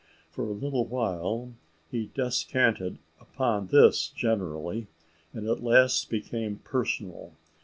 For a little while he descanted upon this generally, and at last became personal.